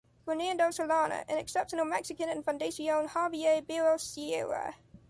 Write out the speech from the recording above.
Fernando Solana, an exceptional Mexican and Fundación Javier Barros Sierra.